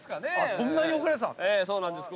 そんなに送られてたんですか？